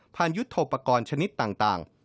ผ่านยุทธโทปกรณ์ชนิดต่าง